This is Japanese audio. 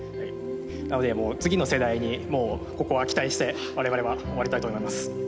なので次の世代にもうここは期待して我々は終わりたいと思います。